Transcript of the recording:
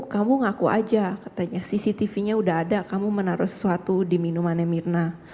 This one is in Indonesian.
kamu ngaku aja cctv nya sudah ada kamu menaruh sesuatu di minuman mirna